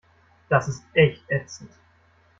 Das ist echt ätzend.